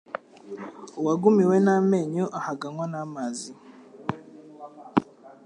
Uwagumiwe n'amenyo ahaganywa n'amazi